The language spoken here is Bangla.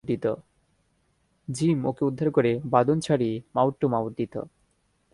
জিম ওকে উদ্ধার করে বাঁধন ছাড়িয়ে মাউথ টু মাউথ দিত।